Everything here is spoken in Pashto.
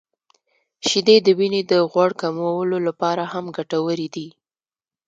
• شیدې د وینې د غوړ کمولو لپاره هم ګټورې دي.